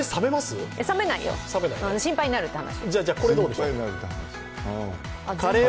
冷めないよ、心配になるって話。